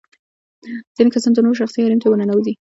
ځينې کسان د نورو شخصي حريم ته ورننوزي.